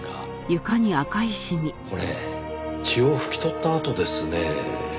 これ血を拭き取った跡ですねぇ。